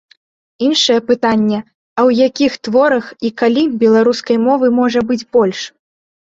Іншае пытанне, а ў якіх творах і калі беларускай мовы можа быць больш?